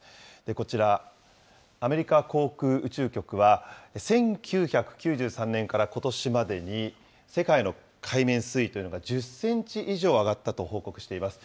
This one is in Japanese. こちら、アメリカ航空宇宙局は、１９９３年からことしまでに、世界の海面水位というのが１０センチ以上上がったと報告しています。